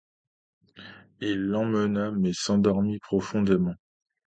Il l'emmena mais s'endormit profondément.